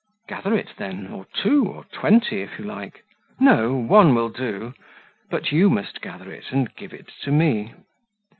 "Gather it then or two, or twenty, if you like." "No one will do but you must gather it, and give it to me."